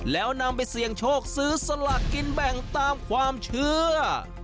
แล้วนำไปเสี่ยงโชคซื้อสลากกินแบ่งตามความเชื่อ